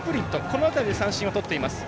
この辺りで三振をとっています。